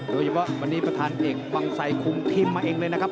โดยเฉพาะวันนี้ประธานเอกบังไสคุมทีมมาเองเลยนะครับ